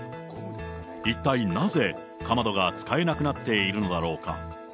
一体なぜかまどが使えなくなっているのだろうか。